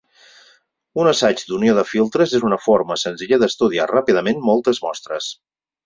Un assaig d'unió de filtres és una forma senzilla d'estudiar ràpidament moltes mostres.